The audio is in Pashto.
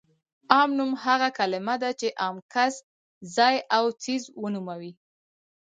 عام نوم هغه کلمه ده چې عام کس، ځای او څیز ونوموي.